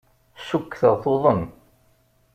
Cukkteɣ tuḍen.